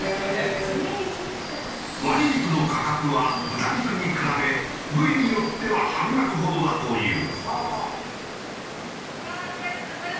ワニ肉の価格は豚肉に比べ部位によっては半額ほどだという。